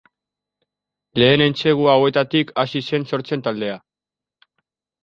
Lehen entsegu hauetatik hasi zen sortzen taldea.